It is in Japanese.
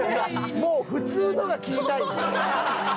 もう普通のが聴きたいですよ。